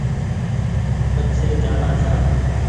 پڇي چآلان ڇآن